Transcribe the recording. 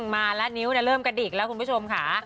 มาแล้วนิ้วเริ่มกระดิกแล้วคุณผู้ชมค่ะ